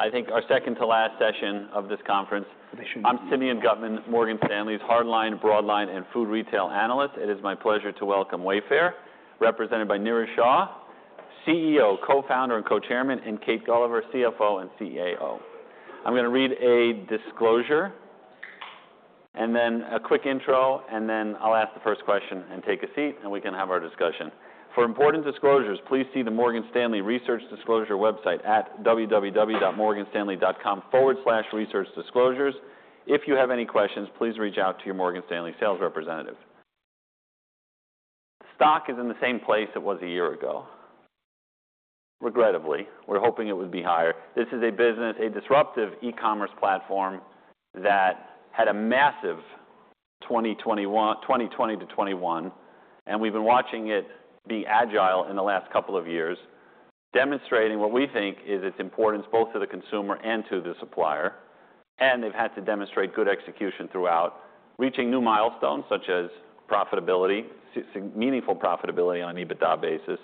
I think our second to last session of this conference. They should be. I'm Simeon Gutman, Morgan Stanley's Hardline, Broadline, and food retail analyst. It is my pleasure to welcome Wayfair, represented by Niraj Shah, CEO, co-founder, and co-chairman, and Kate Gulliver, CFO and CAO. I'm going to read a disclosure, and then a quick intro, and then I'll ask the first question and take a seat, and we can have our discussion. For important disclosures, please see the Morgan Stanley Research Disclosure website at www.morganstanley.com/researchdisclosures. If you have any questions, please reach out to your Morgan Stanley sales representative. Stock is in the same place it was a year ago, regrettably. We're hoping it would be higher. This is a business, a disruptive e-commerce platform that had a massive 2020-2021, and we've been watching it be agile in the last couple of years, demonstrating what we think is its importance both to the consumer and to the supplier. And they've had to demonstrate good execution throughout, reaching new milestones such as profitability, meaningful profitability on an EBITDA basis.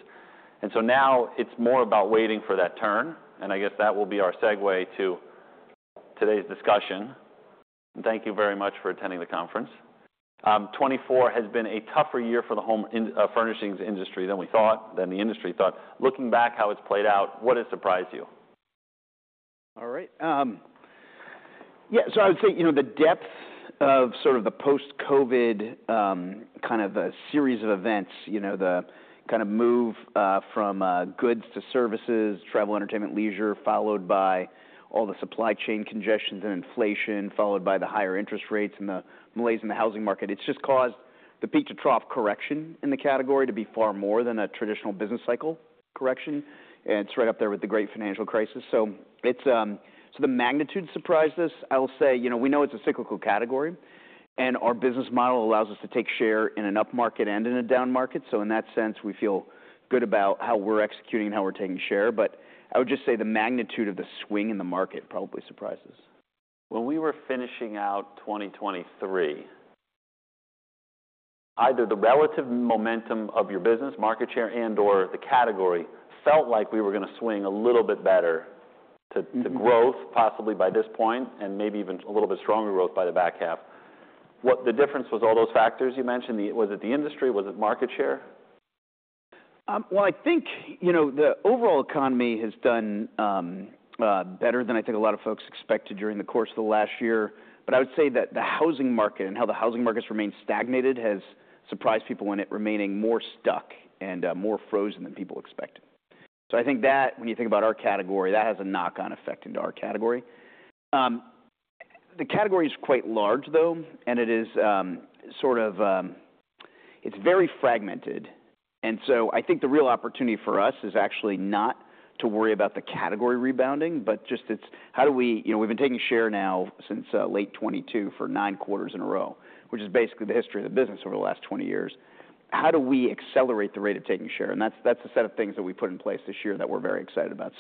And so now it's more about waiting for that turn, and I guess that will be our segue to today's discussion. Thank you very much for attending the conference. 2024 has been a tougher year for the home furnishings industry than we thought, than the industry thought. Looking back, how it's played out, what has surprised you? All right. Yeah, so I would say the depth of sort of the post-COVID kind of series of events, the kind of move from goods to services, travel, entertainment, leisure, followed by all the supply chain congestions and inflation, followed by the higher interest rates and the malaise in the housing market, it's just caused the peak to trough correction in the category to be far more than a traditional business cycle correction, and it's right up there with the great financial crisis, so the magnitude surprised us. I'll say we know it's a cyclical category, and our business model allows us to take share in an up market and in a down market, so in that sense, we feel good about how we're executing and how we're taking share, but I would just say the magnitude of the swing in the market probably surprised us. When we were finishing out 2023, either the relative momentum of your business, market share, and/or the category felt like we were going to swing a little bit better to growth, possibly by this point, and maybe even a little bit stronger growth by the back-half. What the difference was, all those factors you mentioned, was it the industry? Was it market share? I think the overall economy has done better than I think a lot of folks expected during the course of the last year. But I would say that the housing market and how the housing market has remained stagnated has surprised people when it remaining more stuck and more frozen than people expected. I think that when you think about our category, that has a knock-on effect into our category. The category is quite large, though, and it is sort of it's very fragmented. I think the real opportunity for us is actually not to worry about the category rebounding, but just it's how do we we've been taking share now since late 2022 for nine quarters in a row, which is basically the history of the business over the last 20 years. How do we accelerate the rate of taking share? That's the set of things that we put in place this year that we're very excited about.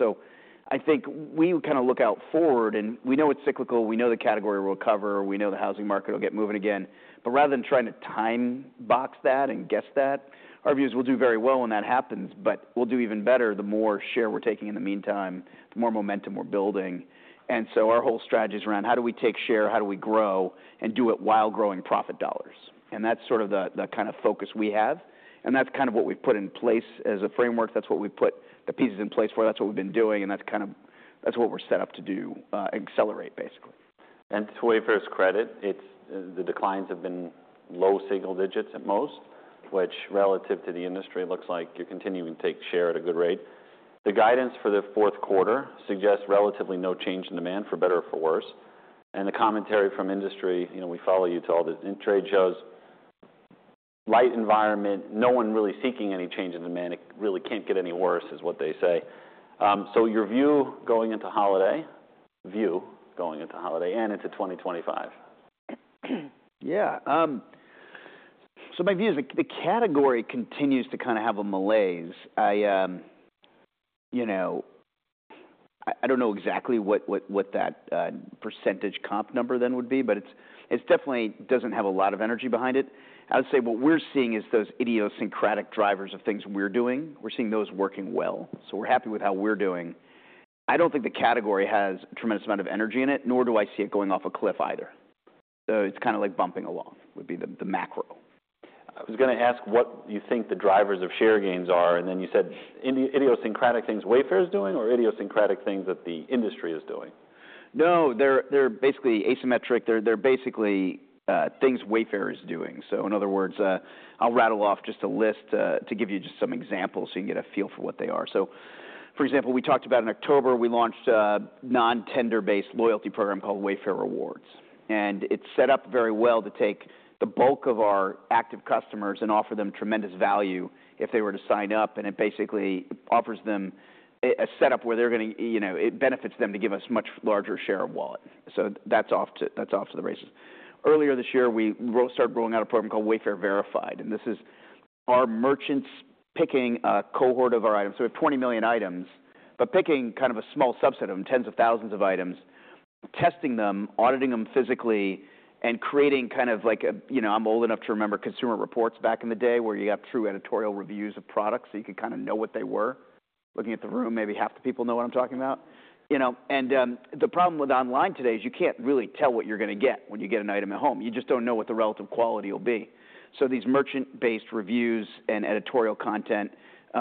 I think we kind of look out forward, and we know it's cyclical. We know the category will recover. We know the housing market will get moving again. Rather than trying to time box that and guess that, our view is we'll do very well when that happens, but we'll do even better the more share we're taking in the meantime, the more momentum we're building. Our whole strategy is around how do we take share, how do we grow, and do it while growing profit dollars. That's sort of the kind of focus we have. That's kind of what we've put in place as a framework. That's what we've put the pieces in place for. That's what we've been doing. That's kind of what we're set up to do, accelerate, basically. And to Wayfair's Credit, the declines have been low-single-digits at most, which relative to the industry looks like you're continuing to take share at a good rate. The guidance for the Q4 suggests relatively no change in demand, for better or for worse. And the commentary from industry, we follow you to all the trade shows, light environment, no one really seeking any change in demand. It really can't get any worse, is what they say. So your view going into holiday and into 2025? Yeah. So my view is the category continues to kind of have a malaise. I don't know exactly what that percentage comp number then would be, but it definitely doesn't have a lot of energy behind it. I would say what we're seeing is those idiosyncratic drivers of things we're doing. We're seeing those working well. So we're happy with how we're doing. I don't think the category has a tremendous amount of energy in it, nor do I see it going off a cliff either. So it's kind of like bumping along would be the macro. I was going to ask what you think the drivers of share gains are, and then you said idiosyncratic things Wayfair is doing or idiosyncratic things that the industry is doing? No, they're basically asymmetric. They're basically things Wayfair is doing. So in other words, I'll rattle off just a list to give you just some examples so you can get a feel for what they are. So for example, we talked about in October, we launched a non-tender-based loyalty program called Wayfair Rewards. And it's set up very well to take the bulk of our active customers and offer them tremendous value if they were to sign up. And it basically offers them a setup where they're going to it benefits them to give us a much larger share of wallet. So that's off to the races. Earlier this year, we started rolling out a program called Wayfair Verified. And this is our merchants picking a cohort of our items. So we have 20 million items, but picking kind of a small subset of them, tens of thousands of items, testing them, auditing them physically, and creating kind of like I'm old enough to remember Consumer Reports back in the day where you got true editorial reviews of products so you could kind of know what they were. Looking at the room, maybe half the people know what I'm talking about. And the problem with online today is you can't really tell what you're going to get when you get an item at home. You just don't know what the relative quality will be. So these merchant-based reviews and editorial content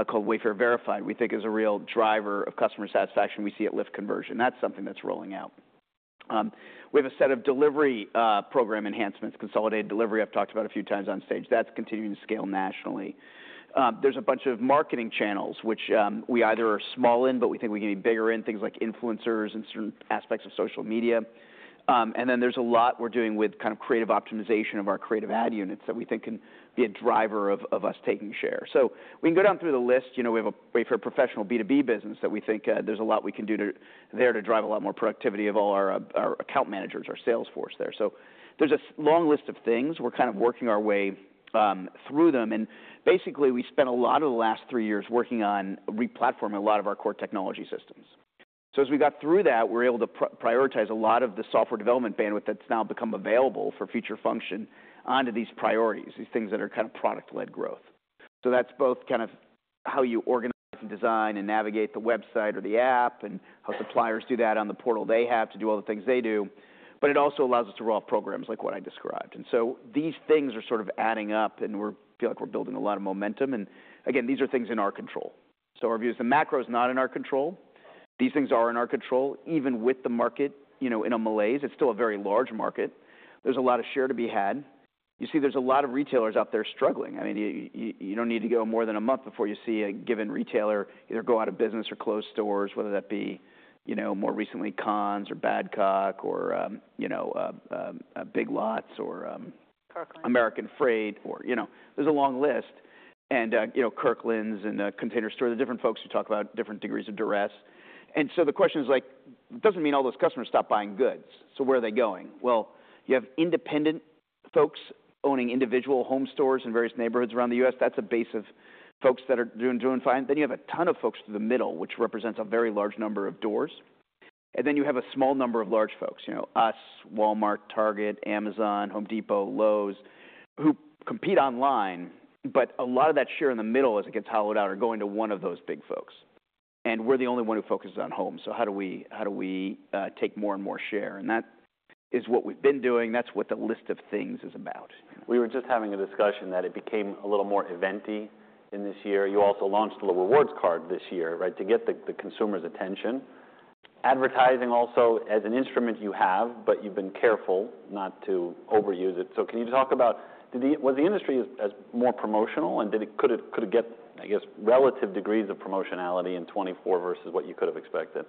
called Wayfair Verified, we think is a real driver of customer satisfaction. We see it lift conversion. That's something that's rolling out. We have a set of delivery program enhancements, consolidated delivery. I've talked about a few times on stage. That's continuing to scale nationally. There's a bunch of marketing channels, which we either are small in, but we think we can be bigger in, things like influencers and certain aspects of social media. And then there's a lot we're doing with kind of creative optimization of our creative ad units that we think can be a driver of us taking share. So we can go down through the list. We have a Wayfair Professional B2B business that we think there's a lot we can do there to drive a lot more productivity of all our account managers, our sales force there. So there's a long list of things. We're kind of working our way through them. And basically, we spent a lot of the last three years working on replatforming a lot of our core technology systems. So as we got through that, we were able to prioritize a lot of the software development bandwidth that's now become available for future function onto these priorities, these things that are kind of product-led growth. So that's both kind of how you organize and design and navigate the website or the app and how suppliers do that on the portal they have to do all the things they do. But it also allows us to roll out programs like what I described. And so these things are sort of adding up, and we feel like we're building a lot of momentum. And again, these are things in our control. So our view is the macro is not in our control. These things are in our control, even with the market in a malaise. It's still a very large market. There's a lot of share to be had. You see, there's a lot of retailers out there struggling. I mean, you don't need to go more than a month before you see a given retailer either go out of business or close stores, whether that be more recently Conn's or Badcock or Big Lots or American Freight. There's a long list. And Kirkland's and Container Store, the different folks who talk about different degrees of duress. And so the question is, it doesn't mean all those customers stop buying goods. So where are they going? Well, you have independent folks owning individual home stores in various neighborhoods around the U.S. That's a base of folks that are doing fine. Then you have a ton of folks through the middle, which represents a very large number of doors. And then you have a small number of large folks, us, Walmart, Target, Amazon, Home Depot, Lowe's, who compete online. But a lot of that share in the middle, as it gets hollowed out, are going to one of those big folks. And we're the only one who focuses on homes. So how do we take more and more share? And that is what we've been doing. That's what the list of things is about. We were just having a discussion that it became a little more eventy in this year. You also launched the rewards card this year to get the consumer's attention. Advertising also as an instrument you have, but you've been careful not to overuse it. So can you talk about was the industry more promotional? And could it get, I guess, relative degrees of promotionality in 2024 versus what you could have expected?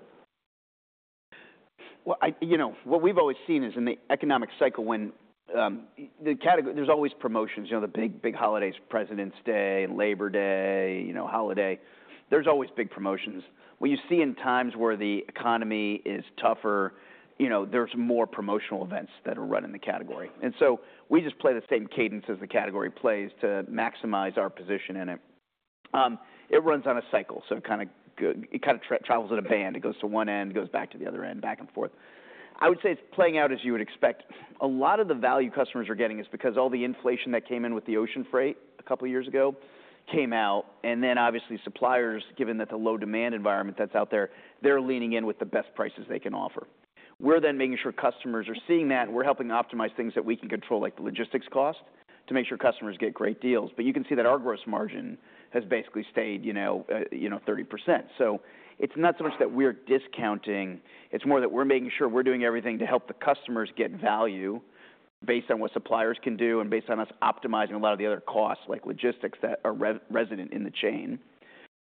What we've always seen is in the economic cycle when there's always promotions. The big holidays, President's Day and Labor Day holiday, there's always big promotions. When you see in times where the economy is tougher, there's more promotional events that are run in the category. And so we just play the same cadence as the category plays to maximize our position in it. It runs on a cycle, so it kind of travels in a band. It goes to one end, goes back to the other end, back and forth. I would say it's playing out as you would expect. A lot of the value customers are getting is because all the inflation that came in with the ocean freight a couple of years ago came out. And then obviously suppliers, given that the low demand environment that's out there, they're leaning in with the best prices they can offer. We're then making sure customers are seeing that. We're helping optimize things that we can control, like the logistics cost, to make sure customers get great deals. But you can see that our gross margin has basically stayed 30%. So it's not so much that we're discounting. It's more that we're making sure we're doing everything to help the customers get value based on what suppliers can do and based on us optimizing a lot of the other costs, like logistics that are resident in the chain.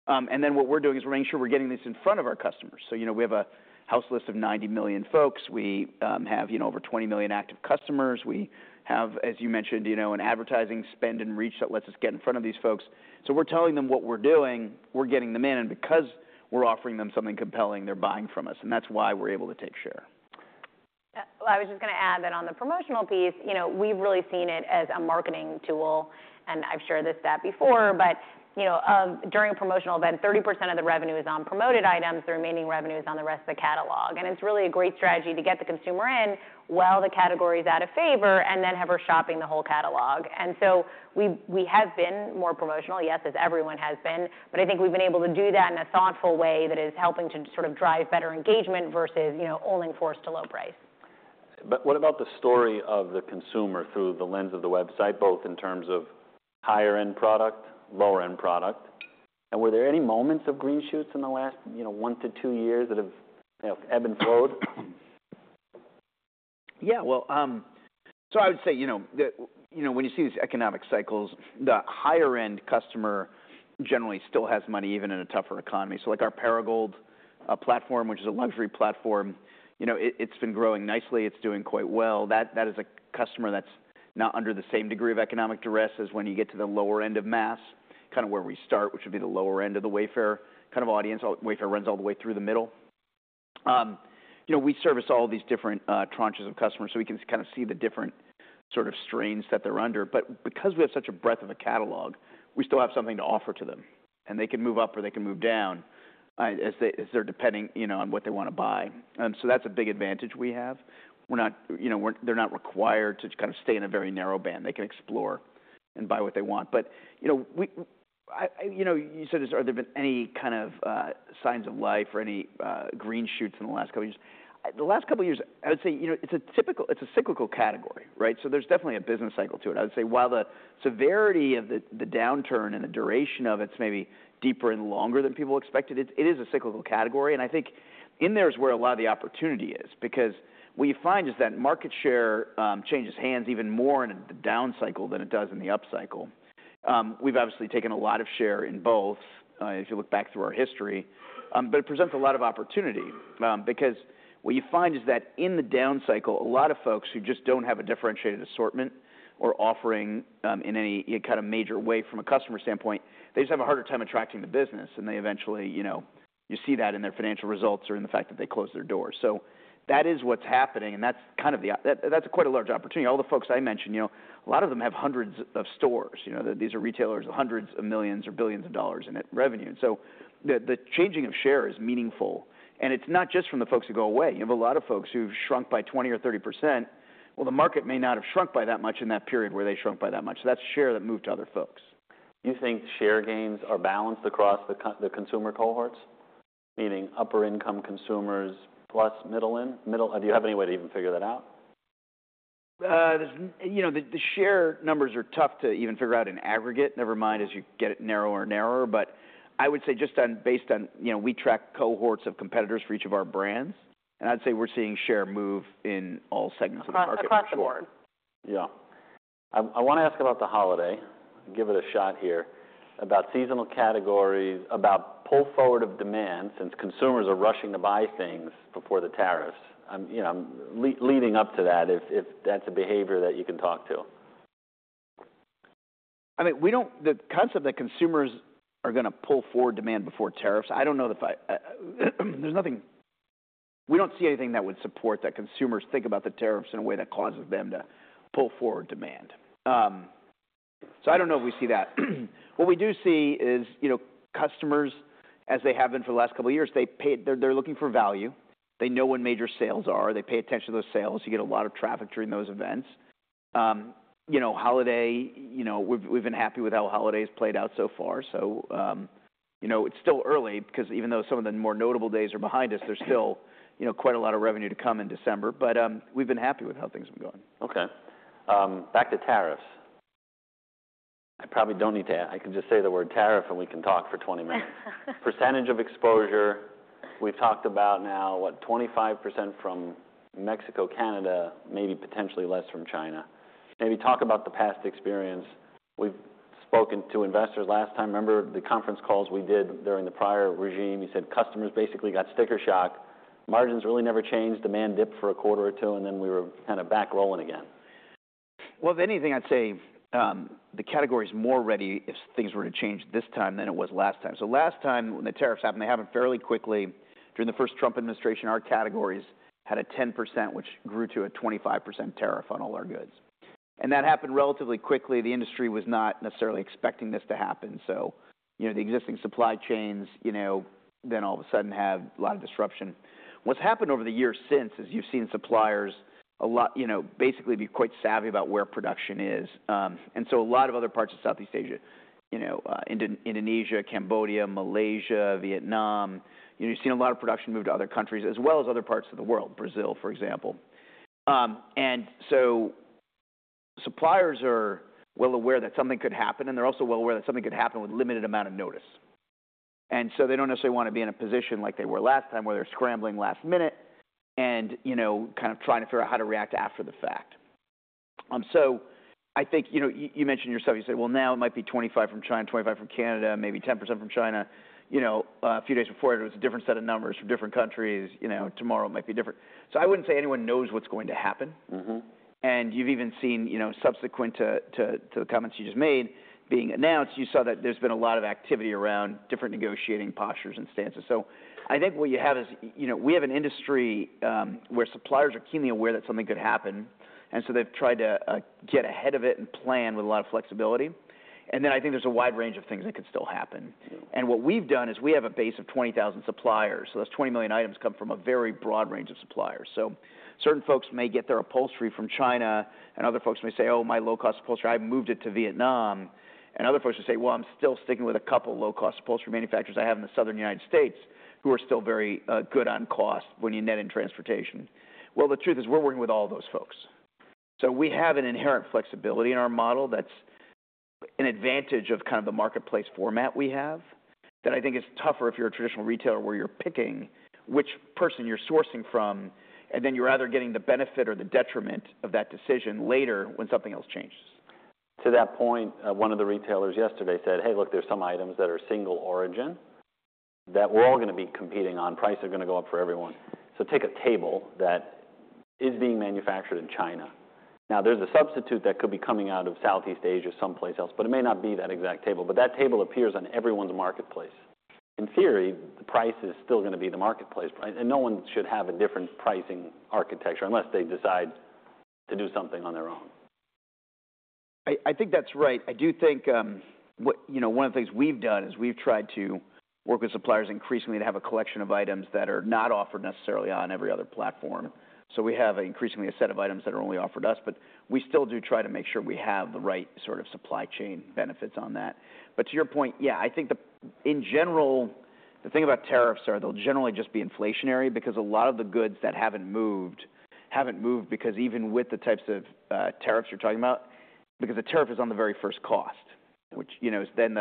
And then what we're doing is we're making sure we're getting this in front of our customers. So we have a house list of 90 million folks. We have over 20 million active customers. We have, as you mentioned, an advertising spend and reach that lets us get in front of these folks. So we're telling them what we're doing. We're getting them in. And because we're offering them something compelling, they're buying from us. And that's why we're able to take share. I was just going to add that on the promotional piece, we've really seen it as a marketing tool, and I've shared this stat before, but during a promotional event, 30% of the revenue is on promoted items. The remaining revenue is on the rest of the catalog, and it's really a great strategy to get the consumer in while the category is out of favor and then have her shopping the whole catalog, and so we have been more promotional, yes, as everyone has been. But I think we've been able to do that in a thoughtful way that is helping to sort of drive better engagement versus only forced to low price. But what about the story of the consumer through the lens of the website, both in terms of higher-end product, lower-end product? And were there any moments of green shoots in the last one to two years that have ebbed and flowed? Yeah. Well, so I would say when you see these economic cycles, the higher-end customer generally still has money even in a tougher economy. So like our Perigold platform, which is a luxury platform, it's been growing nicely. It's doing quite well. That is a customer that's not under the same degree of economic duress as when you get to the lower-end of mass, kind of where we start, which would be the lower-end of the Wayfair kind of audience. Wayfair runs all the way through the middle. We service all these different tranches of customers. So we can kind of see the different sort of strains that they're under. But because we have such a breadth of a catalog, we still have something to offer to them. And they can move up or they can move down as they're depending on what they want to buy. And so that's a big advantage we have. They're not required to kind of stay in a very narrow band. They can explore and buy what they want. But you said there's been any kind of signs of life or any green shoots in the last couple of years. The last couple of years, I would say it's a cyclical category. So there's definitely a business cycle to it. I would say while the severity of the downturn and the duration of its maybe deeper and longer than people expected, it is a cyclical category. And I think in there is where a lot of the opportunity is. Because what you find is that market share changes hands even more in the down cycle than it does in the up cycle. We've obviously taken a lot of share in both if you look back through our history. But it presents a lot of opportunity. Because what you find is that in the down cycle, a lot of folks who just don't have a differentiated assortment or offering in any kind of major way from a customer stand-point, they just have a harder time attracting the business. And eventually you see that in their financial results or in the fact that they close their doors. So that is what's happening. And that's kind of quite a large opportunity. All the folks I mentioned, a lot of them have hundreds of stores. These are retailers of hundreds of millions or billions of dollars in revenue. And so the changing of share is meaningful. And it's not just from the folks who go away. You have a lot of folks who've shrunk by 20% or 30%. The market may not have shrunk by that much in that period where they shrunk by that much. That's share that moved to other folks. You think share gains are balanced across the consumer cohorts, meaning upper-income consumers plus middle-in? Do you have any way to even figure that out? The share numbers are tough to even figure out in aggregate, never mind as you get it narrower and narrower. But I would say, just based on we track cohorts of competitors for each of our brands. And I'd say we're seeing share move in all segments of the market. Across the board. Yeah. I want to ask about the holiday. Give it a shot here. About seasonal categories, about pull forward of demand since consumers are rushing to buy things before the tariffs. Leading up to that, if that's a behavior that you can talk to? I mean, the concept that consumers are going to pull forward demand before tariffs, I don't know. We don't see anything that would support that consumers think about the tariffs in a way that causes them to pull forward demand. So I don't know if we see that. What we do see is customers, as they have been for the last couple of years, they're looking for value. They know when major sales are. They pay attention to those sales. You get a lot of traffic during those events. Holiday, we've been happy with how holiday has played out so far. So it's still early because even though some of the more notable days are behind us, there's still quite a lot of revenue to come in December. But we've been happy with how things have gone. Okay. Back to tariffs. I probably don't need to add. I can just say the word tariff and we can talk for 20 minutes. Percentage of exposure, we've talked about now, what, 25% from Mexico, Canada, maybe potentially less from China. Maybe talk about the past experience. We've spoken to investors last time. Remember the conference calls we did during the prior regime? You said customers basically got sticker shock. Margins really never changed. Demand dipped for a quarter or two, and then we were kind of back rolling again. If anything, I'd say the category is more ready if things were to change this time than it was last time. Last time when the tariffs happened, they happened fairly quickly. During the first Donald Trump administration, our categories had a 10%, which grew to a 25% tariff on all our goods. That happened relatively quickly. The industry was not necessarily expecting this to happen. The existing supply chains then all of a sudden had a lot of disruption. What's happened over the years since is you've seen suppliers basically be quite savvy about where production is. A lot of other parts of Southeast Asia, Indonesia, Cambodia, Malaysia, Vietnam, you've seen a lot of production move to other countries, as well as other parts of the world, Brazil, for example. And so suppliers are well aware that something could happen, and they're also well aware that something could happen with a limited amount of notice. And so they don't necessarily want to be in a position like they were last time where they're scrambling last minute and kind of trying to figure out how to react after the fact. So I think you mentioned yourself, you said, well, now it might be 25 from China, 25 from Canada, maybe 10% from China. A few days before it was a different set of numbers from different countries. Tomorrow it might be different. So I wouldn't say anyone knows what's going to happen. And you've even seen subsequent to the comments you just made being announced, you saw that there's been a lot of activity around different negotiating postures and stances. I think what you have is we have an industry where suppliers are keenly aware that something could happen. And so they've tried to get ahead of it and plan with a lot of flexibility. And then I think there's a wide range of things that could still happen. And what we've done is we have a base of 20,000 suppliers. So those 20 million items come from a very broad range of suppliers. So certain folks may get their upholstery from China, and other folks may say, oh, my low-cost upholstery, I moved it to Vietnam. And other folks will say, well, I'm still sticking with a couple of low-cost upholstery manufacturers I have in the southern United States who are still very good on cost when you net in transportation. Well, the truth is we're working with all those folks. We have an inherent flexibility in our model that's an advantage of kind of the marketplace format we have that I think is tougher if you're a traditional retailer where you're picking which person you're sourcing from, and then you're either getting the benefit or the detriment of that decision later when something else changes. To that point, one of the retailers yesterday said, hey, look, there's some items that are single origin that we're all going to be competing on. Prices are going to go up for everyone, so take a table that is being manufactured in China. Now, there's a substitute that could be coming out of Southeast Asia someplace else, but it may not be that exact table, but that table appears on everyone's marketplace. In theory, the price is still going to be the marketplace, and no one should have a different pricing architecture unless they decide to do something on their own. I think that's right. I do think one of the things we've done is we've tried to work with suppliers increasingly to have a collection of items that are not offered necessarily on every other platform. So we have increasingly a set of items that are only offered to us. But we still do try to make sure we have the right sort of supply chain benefits on that. But to your point, yeah, I think in general, the thing about tariffs is they'll generally just be inflationary because a lot of the goods that haven't moved haven't moved because even with the types of tariffs you're talking about, because the tariff is on the very first cost, which is then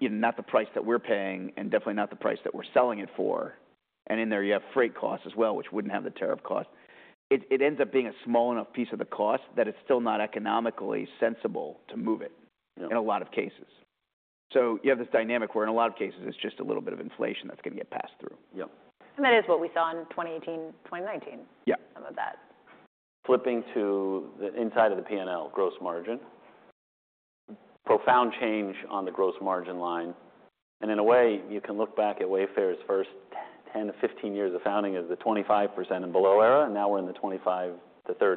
not the price that we're paying and definitely not the price that we're selling it for. And in there, you have freight costs as well, which wouldn't have the tariff cost. It ends up being a small enough piece of the cost that it's still not economically sensible to move it in a lot of cases. So you have this dynamic where in a lot of cases, it's just a little bit of inflation that's going to get passed through. That is what we saw in 2018, 2019, some of that. Flipping to the inside of the P&L, gross margin, profound change on the gross margin line. And in a way, you can look back at Wayfair's first 10-15 years of founding as the 25% and below era. And now we're in the 25%-30%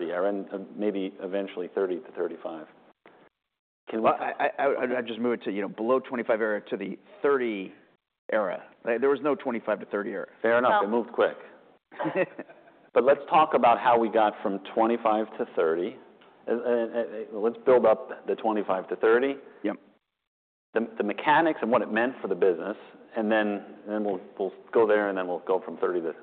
era and maybe eventually 30%-35%. I'd just move it to below 25% era to the 30% era. There was no 25%-30% era. Fair enough. It moved quick. But let's talk about how we got from 25%-30%. Let's build up the 25%-30%, the mechanics and what it meant for the business. And then we'll go there and then we'll go from 30%+.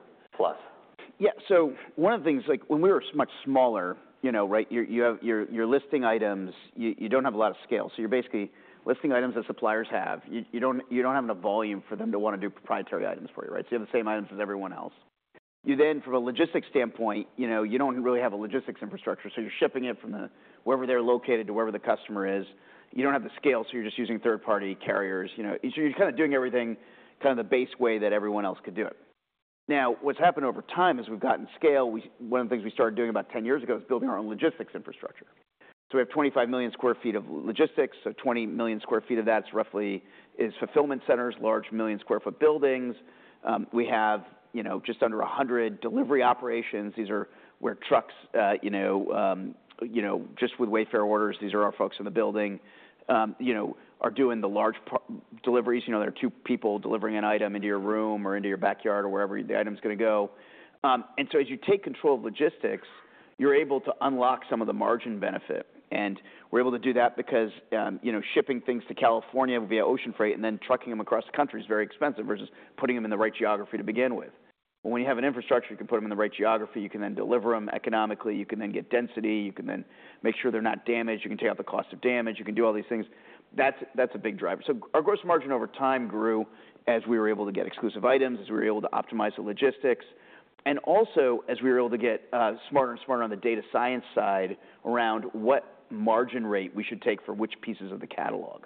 Yeah. So one of the things, when we were much smaller, you're listing items, you don't have a lot of scale. So you're basically listing items that suppliers have. You don't have enough volume for them to want to do proprietary items for you. So you have the same items as everyone else. You then, from a logistics stand-point, you don't really have a logistics infrastructure. So you're shipping it from wherever they're located to wherever the customer is. You don't have the scale, so you're just using third-party carriers. So you're kind of doing everything kind of the base way that everyone else could do it. Now, what's happened over time as we've gotten scale, one of the things we started doing about 10 years ago is building our own logistics infrastructure. So we have 25 million sq ft of logistics. 20 million sq ft of that is roughly fulfillment centers, large million sq ft buildings. We have just under 100 delivery operations. These are where trucks, just with Wayfair orders, these are our folks in the building, are doing the large deliveries. There are two people delivering an item into your room or into your backyard or wherever the item's going to go. As you take control of logistics, you're able to unlock some of the margin benefit. We're able to do that because shipping things to California via ocean freight and then trucking them across the country is very expensive versus putting them in the right geography to begin with. When you have an infrastructure, you can put them in the right geography. You can then deliver them economically. You can then get density. You can then make sure they're not damaged. You can take out the cost of damage. You can do all these things. That's a big driver. So our gross margin over time grew as we were able to get exclusive items, as we were able to optimize the logistics, and also as we were able to get smarter and smarter on the data science side around what margin rate we should take for which pieces of the catalog.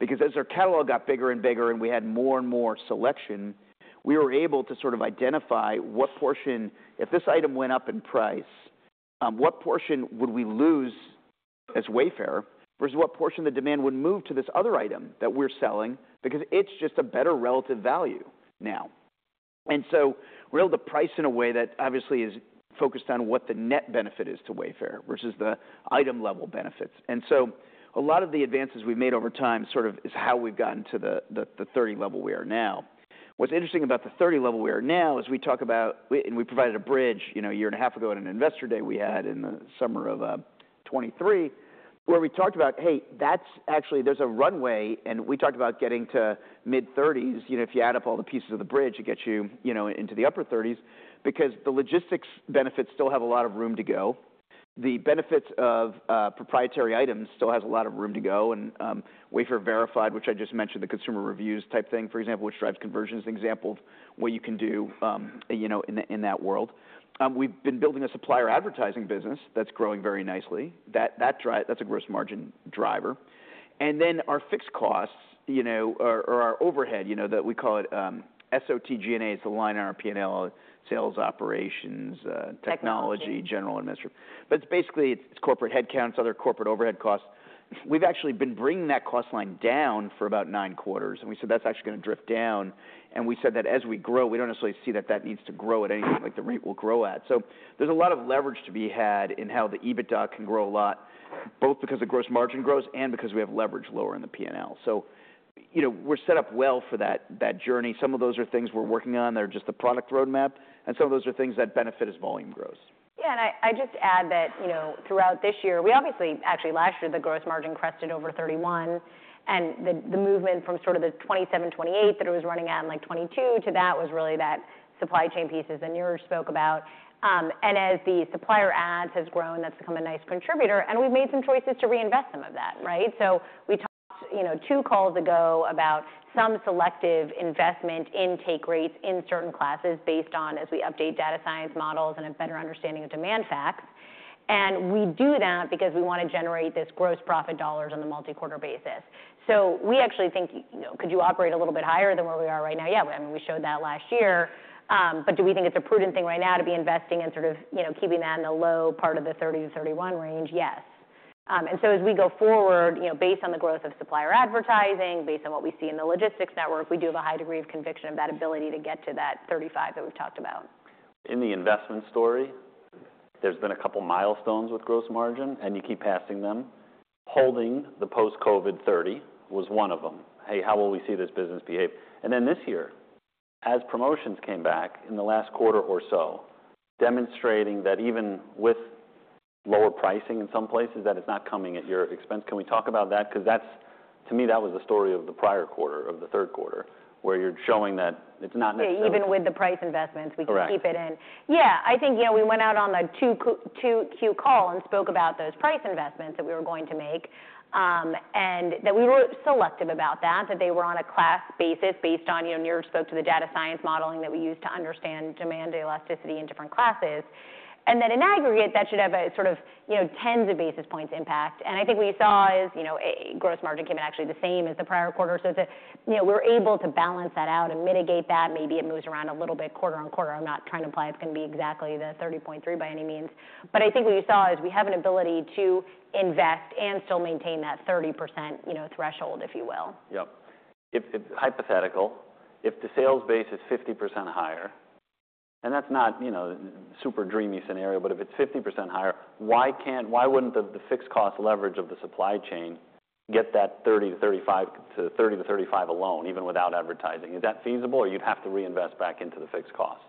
Because as our catalog got bigger and bigger and we had more and more selection, we were able to sort of identify what portion, if this item went up in price, what portion would we lose as Wayfair versus what portion of the demand would move to this other item that we're selling because it's just a better relative value now. We're able to price in a way that obviously is focused on what the net benefit is to Wayfair versus the item-level benefits. A lot of the advances we've made over time sort of is how we've gotten to the 30% level we are now. What's interesting about the 30% level we are now is we talk about, and we provided a bridge a year and a half ago at an investor day we had in the summer of 2023, where we talked about, hey, that's actually there's a runway. We talked about getting to mid-30s%. If you add up all the pieces of the bridge, it gets you into the upper 30s%. Because the logistics benefits still have a lot of room to go. The benefits of proprietary items still have a lot of room to go. And Wayfair Verified, which I just mentioned, the consumer reviews type thing, for example, which drives conversions, an example of what you can do in that world. We've been building a supplier advertising business that's growing very nicely. That's a gross margin driver. And then our fixed costs or our overhead, we call it SOTG&A, is the line on our P&L, sales, operations, technology, general admin. But it's basically corporate headcounts, other corporate overhead costs. We've actually been bringing that cost line down for about nine quarters. And we said that's actually going to drift down. And we said that as we grow, we don't necessarily see that that needs to grow at anything like the rate will grow at. So there's a lot of leverage to be had in how the EBITDA can grow a lot, both because the gross margin grows and because we have leverage lower in the P&L. So we're set up well for that journey. Some of those are things we're working on. They're just the product roadmap. And some of those are things that benefit as volume grows. Yeah. And I just add that throughout this year, we obviously, actually last year, the gross margin crested over 31%. And the movement from sort of the 27%, 28% that it was running at and like 22% to that was really that supply chain pieces that Niraj Shah spoke about. And as the supplier ads have grown, that's become a nice contributor. And we've made some choices to reinvest some of that. So we talked two calls ago about some selective investment in take rates in certain classes based on, as we update data science models and have better understanding of demand facts. And we do that because we want to generate this gross profit dollars on the multi-quarter basis. So we actually think, could you operate a little bit higher than where we are right now? Yeah, we showed that last year. But do we think it's a prudent thing right now to be investing and sort of keeping that in the low part of the 30%-31% range? Yes. And so as we go forward, based on the growth of supplier advertising, based on what we see in the logistics network, we do have a high degree of conviction of that ability to get to that 35% that we've talked about. In the investment story, there's been a couple of milestones with gross margin, and you keep passing them. Holding the post-COVID 30% was one of them. Hey, how will we see this business behave, and then this year, as promotions came back in the last quarter or so, demonstrating that even with lower pricing in some places, that it's not coming at your expense. Can we talk about that? Because to me, that was the story of the prior quarter, the third quarter, where you're showing that it's not necessarily. Even with the price investments, we can keep it in. Yeah, I think we went out on the 2Q call and spoke about those price investments that we were going to make and that we were selective about that, that they were on a class basis based on Niraj Shah spoke to the data science modeling that we use to understand demand elasticity in different classes. And that in aggregate, that should have a sort of tens of basis points impact. And I think what you saw is gross margin came in actually the same as the prior quarter. So we're able to balance that out and mitigate that. Maybe it moves around a little bit quarter on quarter. I'm not trying to imply it's going to be exactly the 30.3% by any means. But I think what you saw is we have an ability to invest and still maintain that 30% threshold, if you will. Yep. If hypothetical, if the sales base is 50% higher, and that's not a super dreamy scenario, but if it's 50% higher, why wouldn't the fixed cost leverage of the supply chain get that 30%-35% alone, even without advertising? Is that feasible, or you'd have to reinvest back into the fixed cost?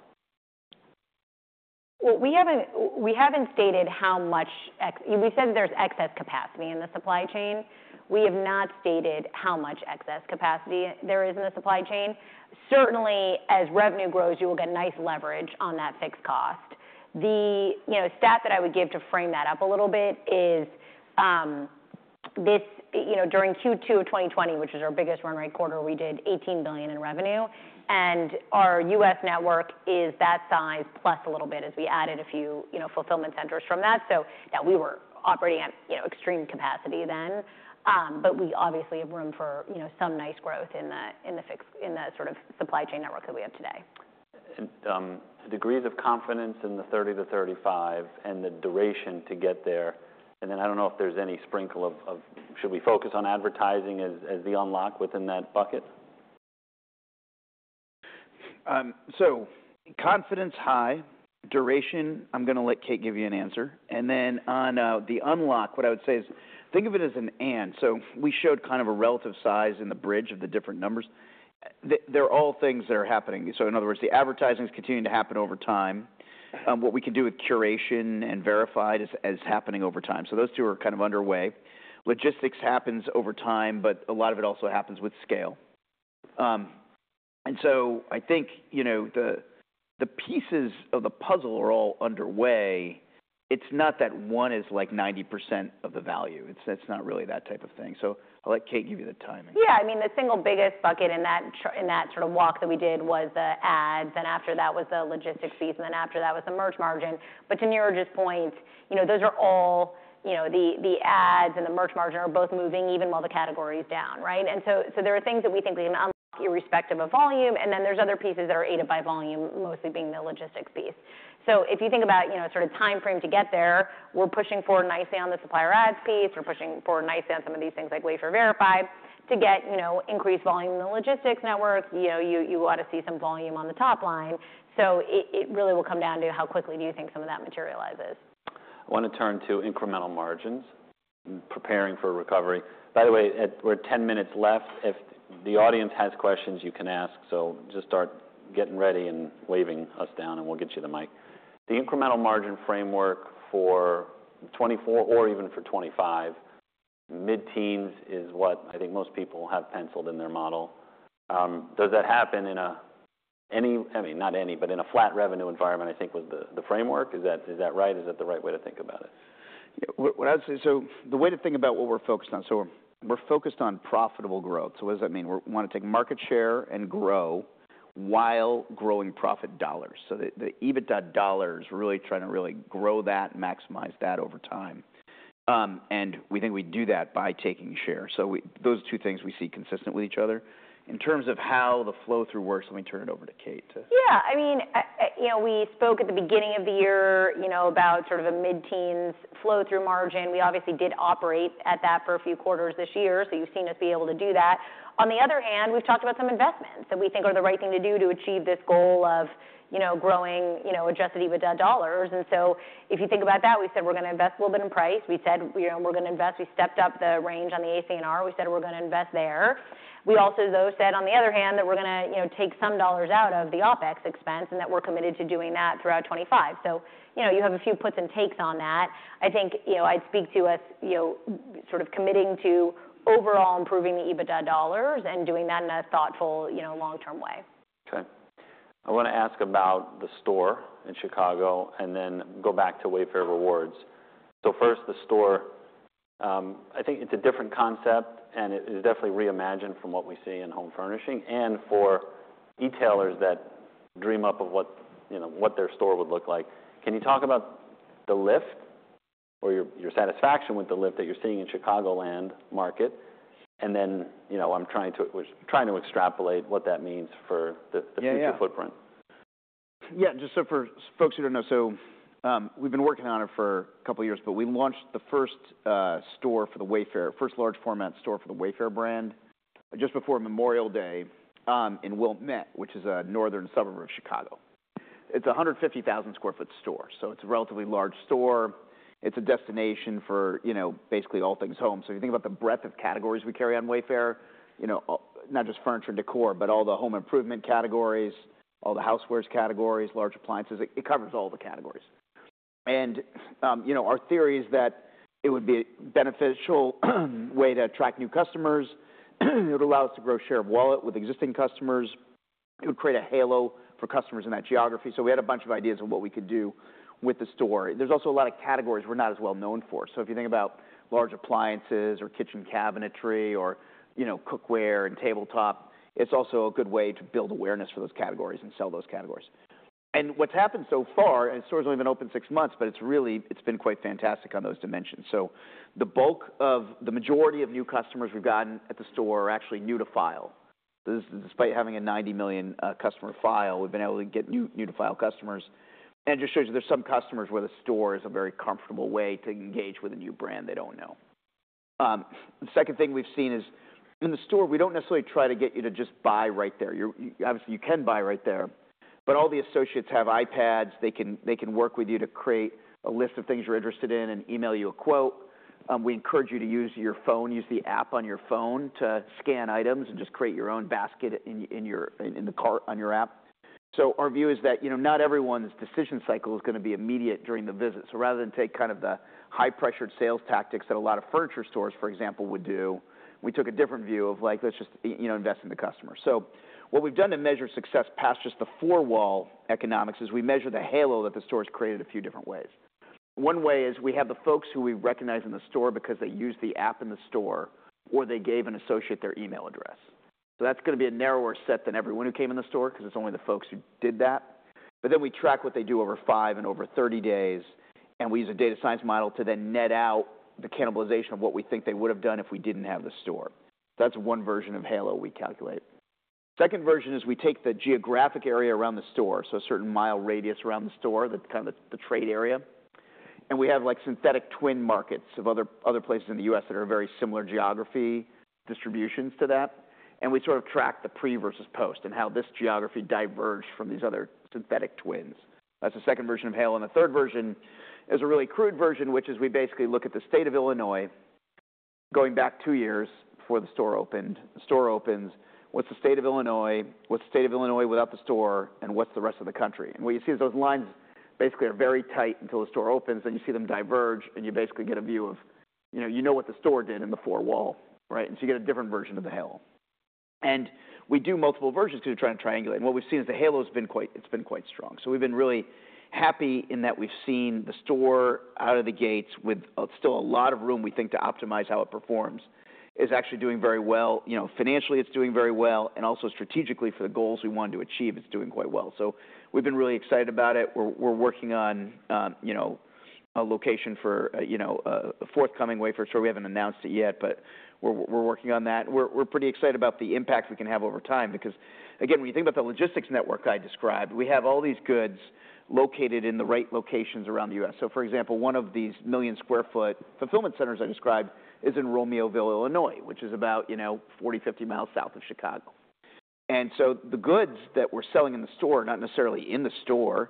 We have not stated how much excess capacity there is in the supply chain. Certainly, as revenue grows, you will get nice leverage on that fixed cost. The stat that I would give to frame that up a little bit is during Q2 of 2020, which was our biggest run rate quarter, we did $18 billion in revenue. Our U.S. network is that size plus a little bit as we added a few fulfillment centers from that. Yeah, we were operating at extreme capacity then. We obviously have room for some nice growth in the sort of supply chain network that we have today. And degrees of confidence in the 30%-35% and the duration to get there. And then I don't know if there's any sprinkle of should we focus on advertising as the unlock within that bucket? So, confidence high on duration, I'm going to let Kate Gulliver give you an answer, and then on the unlock, what I would say is think of it as an and. We showed kind of a relative size in the bridge of the different numbers. They're all things that are happening. In other words, the advertising is continuing to happen over time. What we can do with curation and Verified is happening over time. Those two are kind of underway. Logistics happens over time, but a lot of it also happens with scale. I think the pieces of the puzzle are all underway. It's not that one is like 90% of the value. It's not really that type of thing. I'll let Kate Gulliver give you the timing. Yeah. I mean, the single biggest bucket in that sort of walk that we did was the ads. After that was the logistics piece. Then after that was the merch margin. But to Niraj Shah's point, those are all the ads and the merch margin are both moving even while the category is down. So there are things that we think we can unlock irrespective of volume. Then there's other pieces that are aided by volume, mostly being the logistics piece. If you think about sort of timeframe to get there, we're pushing forward nicely on the supplier ads piece. We're pushing forward nicely on some of these things like Wayfair Verified to get increased volume in the logistics network. You ought to see some volume on the top line. So it really will come down to how quickly do you think some of that materializes? I want to turn to incremental margins, preparing for recovery. By the way, we're 10 minutes left. If the audience has questions, you can ask. So just start getting ready and waving us down, and we'll get you the mic. The incremental margin framework for 2024 or even for 2025, mid-teens is what I think most people have penciled in their model. Does that happen in a, I mean, not any, but in a flat revenue environment, I think, with the framework? Is that right? Is that the right way to think about it? So the way to think about what we're focused on, so we're focused on profitable growth. So what does that mean? We want to take market share and grow while growing profit dollars. So the EBITDA dollars, we're really trying to really grow that and maximize that over time. And we think we do that by taking share. So those two things we see consistent with each other. In terms of how the flow-through works, let me turn it over to Kate Gulliver to. Yeah. I mean, we spoke at the beginning of the year about sort of a mid-teens flow-through margin. We obviously did operate at that for a few quarters this year. So you've seen us be able to do that. On the other hand, we've talked about some investments that we think are the right thing to do to achieve this goal of growing Adjusted EBITDA dollars. And so if you think about that, we said we're going to invest a little bit in price. We said we're going to invest. We stepped up the range on the ACNR. We said we're going to invest there. We also, though, said on the other hand that we're going to take some dollars out of the OpEx expense and that we're committed to doing that throughout 2025. So you have a few puts and takes on that. I think I'd speak to us sort of committing to overall improving the EBITDA dollars and doing that in a thoughtful long-term way. Okay. I want to ask about the store in Chicago and then go back to Wayfair Rewards. So first, the store, I think it's a different concept, and it is definitely reimagined from what we see in home furnishing and for retailers that dream up of what their store would look like. Can you talk about the lift or your satisfaction with the lift that you're seeing in Chicagoland market? And then I'm trying to extrapolate what that means for the future footprint. Yeah. Just so for folks who don't know, so we've been working on it for a couple of years, but we launched the first store for the Wayfair, first large-format store for the Wayfair brand just before Memorial Day in Wilmette, which is a northern suburb of Chicago. It's a 150,000 sq ft store. So it's a relatively large store. It's a destination for basically all things home. So if you think about the breadth of categories we carry on Wayfair, not just furniture and decor, but all the home improvement categories, all the housewares categories, large appliances, it covers all the categories. And our theory is that it would be a beneficial way to attract new customers. It would allow us to grow share of wallet with existing customers. It would create a Halo for customers in that geography. So we had a bunch of ideas of what we could do with the store. There's also a lot of categories we're not as well known for. So if you think about large appliances or kitchen cabinetry or cookware and tabletop, it's also a good way to build awareness for those categories and sell those categories. And what's happened so far, and the store's only been open six months, but it's really been quite fantastic on those dimensions. So the bulk of the majority of new customers we've gotten at the store are actually new to file. Despite having a 90 million customer file, we've been able to get new to file customers. And it just shows you there's some customers where the store is a very comfortable way to engage with a new brand they don't know. The second thing we've seen is in the store, we don't necessarily try to get you to just buy right there. Obviously, you can buy right there. But all the associates have iPads. They can work with you to create a list of things you're interested in and email you a quote. We encourage you to use your phone, use the app on your phone to scan items and just create your own basket in the cart on your app. So our view is that not everyone's decision cycle is going to be immediate during the visit. So rather than take kind of the high-pressured sales tactics that a lot of furniture stores, for example, would do, we took a different view of like, let's just invest in the customer. So what we've done to measure success past just the four-wall economics is we measure the Halo that the store has created a few different ways. One way is we have the folks who we recognize in the store because they use the app in the store or they gave an associate their email address. So that's going to be a narrower set than everyone who came in the store because it's only the folks who did that. But then we track what they do over five and over 30 days. And we use a data science model to then net out the cannibalization of what we think they would have done if we didn't have the store. That's one version of Halo we calculate. Second version is we take the geographic area around the store, so a certain mile radius around the store, kind of the trade area. And we have synthetic twin markets of other places in the U.S. that are very similar geography distributions to that. And we sort of track the pre versus post and how this geography diverged from these other synthetic twins. That's the second version of Halo. And the third version is a really crude version, which is we basically look at the state of Illinois going back two years before the store opened. The store opens, what's the state of Illinois? What's the state of Illinois without the store? And what's the rest of the country? And what you see is those lines basically are very tight until the store opens. Then you see them diverge, and you basically get a view of you know what the store did in the four-wall. And so you get a different version of the Halo. And we do multiple versions because we're trying to triangulate. And what we've seen is the Halo has been quite strong. So we've been really happy in that we've seen the store out of the gates with still a lot of room, we think, to optimize how it performs. It's actually doing very well. Financially, it's doing very well. And also strategically for the goals we want to achieve, it's doing quite well. So we've been really excited about it. We're working on a location for a forthcoming Wayfair store. We haven't announced it yet, but we're working on that. We're pretty excited about the impact we can have over time because, again, when you think about the logistics network I described, we have all these goods located in the right locations around the U.S. For example, one of these million sq ft fulfillment centers I described is in Romeoville, Illinois, which is about 40-50 miles south of Chicago. And so the goods that we're selling in the store, not necessarily in the store,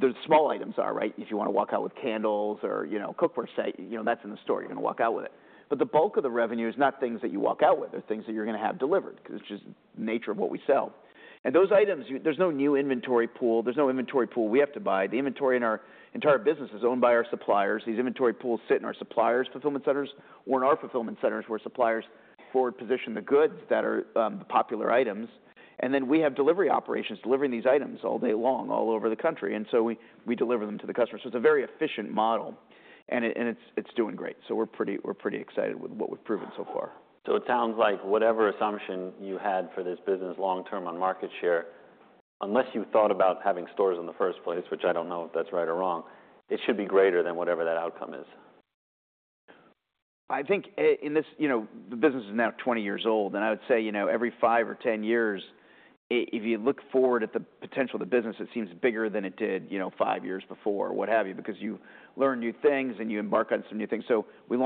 the small items are, right? If you want to walk out with candles or cookware set, that's in the store. You're going to walk out with it. But the bulk of the revenue is not things that you walk out with. They're things that you're going to have delivered because it's just the nature of what we sell. And those items, there's no new inventory pool. There's no inventory pool we have to buy. The inventory in our entire business is owned by our suppliers. These inventory pools sit in our suppliers' fulfillment centers or in our fulfillment centers where suppliers forward position the goods that are the popular items. And then we have delivery operations delivering these items all day long, all over the country. And so we deliver them to the customers. So it's a very efficient model. And it's doing great. So we're pretty excited with what we've proven so far. So it sounds like whatever assumption you had for this business long-term on market share, unless you thought about having stores in the first place, which I don't know if that's right or wrong, it should be greater than whatever that outcome is. I think in this, the business is now 20 years old. And I would say every five or 10 years, if you look forward at the potential of the business, it seems bigger than it did five years before or what have you because you learn new things and you embark on some new things. So we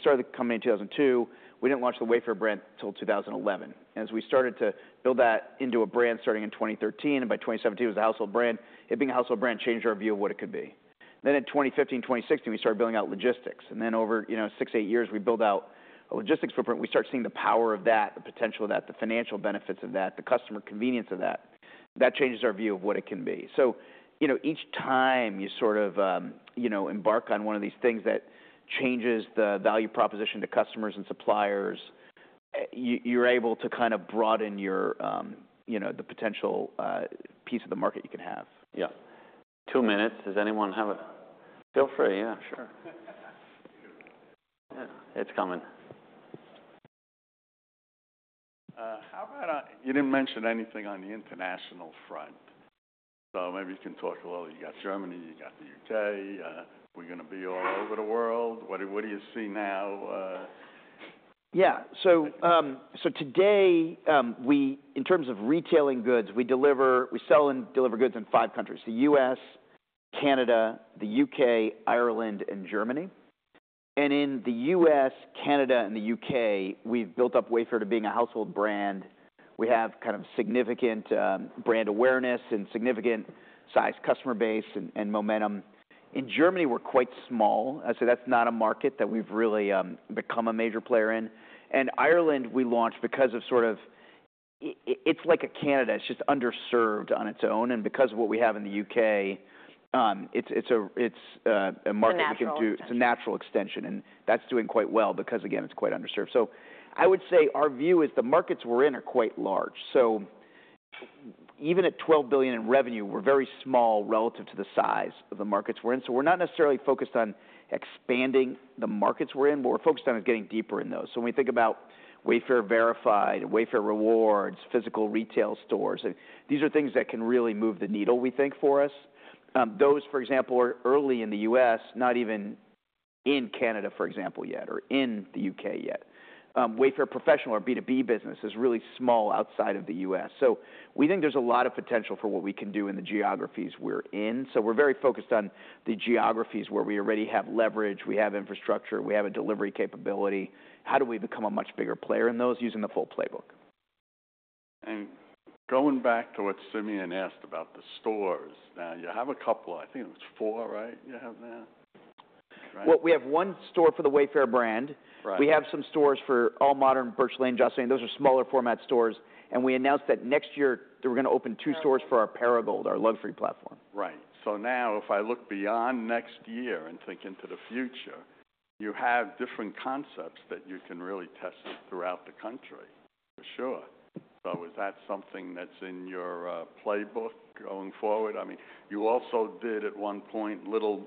started coming in 2002. We didn't launch the Wayfair brand until 2011. And as we started to build that into a brand starting in 2013, and by 2017, it was a household brand, it being a household brand changed our view of what it could be. Then in 2015, 2016, we started building out logistics. And then over six, eight years, we build out a logistics footprint. We start seeing the power of that, the potential of that, the financial benefits of that, the customer convenience of that. That changes our view of what it can be. So each time you sort of embark on one of these things that changes the value proposition to customers and suppliers, you're able to kind of broaden the potential piece of the market you can have. Yeah. Two minutes. Does anyone have a? Feel free. Yeah. Sure. Yeah. It's coming. You didn't mention anything on the international front. So maybe you can talk a little. You got Germany. You got the U.K. We're going to be all over the world. What do you see now? Yeah. So today, in terms of retailing goods, we sell and deliver goods in five countries: the U.S., Canada, the U.K., Ireland, and Germany. In the U.S., Canada, and the U.K., we've built up Wayfair to being a household brand. We have kind of significant brand awareness and significant size customer base and momentum. In Germany, we're quite small. I'd say that's not a market that we've really become a major player in. In Ireland, we launched because of sort of it's like a Canada. It's just underserved on its own. Because of what we have in the U.K., it's a market we can do. It's a natural extension. That's doing quite well because, again, it's quite underserved. Our view is the markets we're in are quite large. So even at $12 billion in revenue, we're very small relative to the size of the markets we're in. So we're not necessarily focused on expanding the markets we're in, but we're focused on getting deeper in those. So when we think about Wayfair Verified, Wayfair Rewards, physical retail stores, these are things that can really move the needle, we think, for us. Those, for example, are early in the U.S., not even in Canada, for example, yet, or in the U.K. yet. Wayfair Professional, our B2B business, is really small outside of the U.S. So we think there's a lot of potential for what we can do in the geographies we're in. So we're very focused on the geographies where we already have leverage. We have infrastructure. We have a delivery capability. How do we become a much bigger player in those using the full playbook? Going back to what Simeon Gutman asked about the stores, now you have a couple. I think it was four, right, you have now? We have one store for the Wayfair brand. We have some stores for AllModern, Birch Lane, Joss & Main. Those are smaller format stores. And we announced that next year, we're going to open two stores for our Perigold, our luxury platform. Right. So now if I look beyond next year and think into the future, you have different concepts that you can really test throughout the country, for sure. So is that something that's in your playbook going forward? I mean, you also did at one point little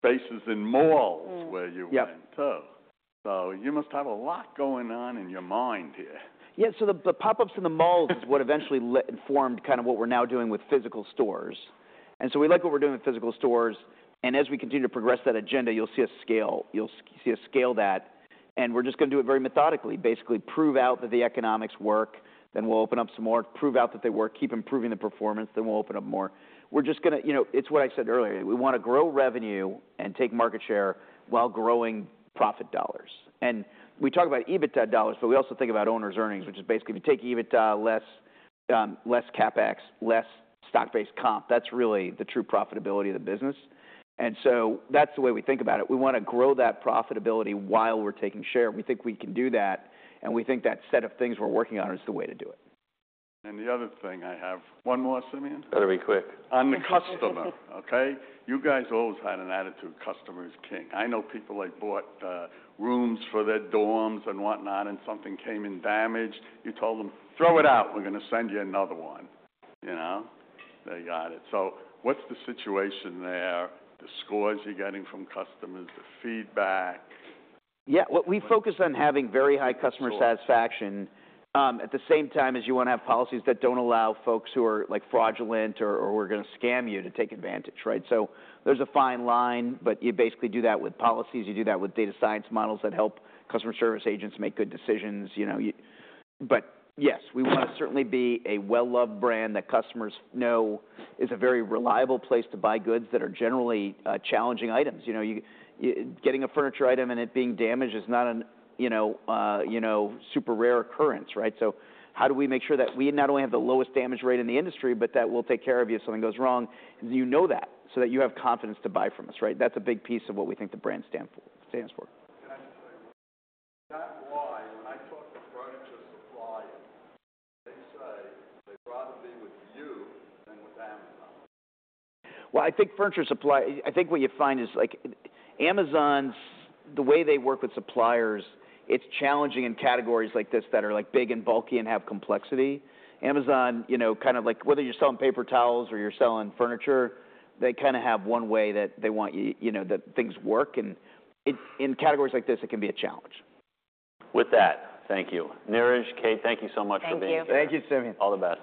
spaces in malls where you went too. So you must have a lot going on in your mind here. Yeah. So the pop-ups in the malls is what eventually formed kind of what we're now doing with physical stores. And so we like what we're doing with physical stores. And as we continue to progress that agenda, you'll see us scale that. And we're just going to do it very methodically, basically prove out that the economics work. Then we'll open up some more, prove out that they work, keep improving the performance. Then we'll open up more. We're just going to. It's what I said earlier. We want to grow revenue and take market share while growing profit dollars. And we talk about EBITDA dollars, but we also think about owner's earnings, which is basically if you take EBITDA less CapEx, less stock-based comp, that's really the true profitability of the business. And so that's the way we think about it. We want to grow that profitability while we're taking share. We think we can do that, and we think that set of things we're working on is the way to do it. And the other thing I have. One more, Simeon Gutman? Got to be quick. On the customer, okay? You guys always had an attitude, customer is king. I know people that bought rooms for their dorms and whatnot, and something came in damaged. You told them, "Throw it out. We're going to send you another one." They got it. So what's the situation there, the scores you're getting from customers, the feedback? Yeah. Well, we focus on having very high customer satisfaction at the same time as you want to have policies that don't allow folks who are fraudulent or who are going to scam you to take advantage, right? So there's a fine line, but you basically do that with policies. You do that with data science models that help customer service agents make good decisions. But yes, we want to certainly be a well-loved brand that customers know is a very reliable place to buy goods that are generally challenging items. Getting a furniture item and it being damaged is not a super rare occurrence, right? So how do we make sure that we not only have the lowest damage rate in the industry, but that we'll take care of you if something goes wrong? And you know that so that you have confidence to buy from us, right? That's a big piece of what we think the brand stands for. That's why when I talk to furniture suppliers, they say they'd rather be with you than with Amazon. I think furniture suppliers. I think what you find is Amazon, the way they work with suppliers, it's challenging in categories like this that are big and bulky and have complexity. Amazon, kind of like whether you're selling paper towels or you're selling furniture, they kind of have one way that they want that things work. In categories like this, it can be a challenge. With that, thank you. Niraj Shah, Kate Gulliver, thank you so much for being here. Thank you. Thank you, Simeon Gutman. All the best.